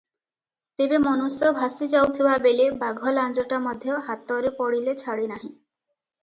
ତେବେ ମନୁଷ୍ୟ ଭାସି ଯାଉଥିବାବେଳେ ବାଘ ଲାଞ୍ଜଟା ମଧ୍ୟ ହାତରେ ପଡ଼ିଲେ ଛାଡ଼େ ନାହିଁ ।